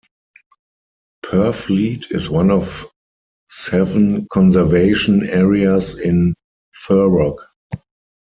Purfleet is one of seven conservation areas in Thurrock.